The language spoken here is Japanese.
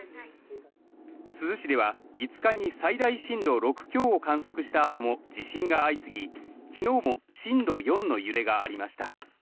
珠洲市では、５日に最大震度６強を観測したあとも地震が相次ぎ、昨日も震度４の揺れがありました。